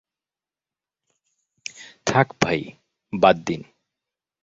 থাক ভাই, বাদ দিন।